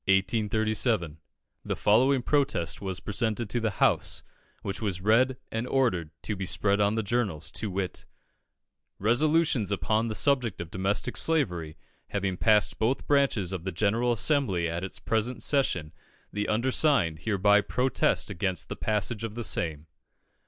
_ The following protest was presented to the House, which was read and ordered to be spread on the journals, to wit: Resolutions upon the subject of domestic slavery having passed both branches of the General Assembly at its present session, the undersigned hereby protest against the passage of the same.